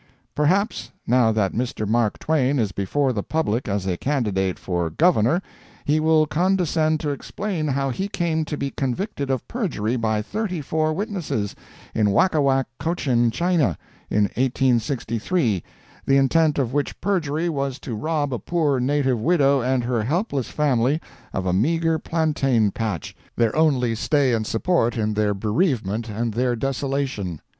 —Perhaps, now that Mr. Mark Twain is before the people as a candidate for Governor, he will condescend to explain how he came to be convicted of perjury by thirty four witnesses, in Wakawak, Cochin China, in 1863, the intent of which perjury was to rob a poor native widow and her helpless family of a meagre plantain patch, their only stay and support in their bereavement and their desolation.